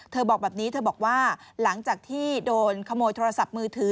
บอกแบบนี้เธอบอกว่าหลังจากที่โดนขโมยโทรศัพท์มือถือ